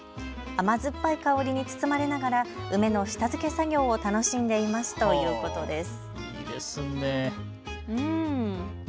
甘酸っぱい香りに包まれながら梅の下漬け作業を楽しんでいますということです。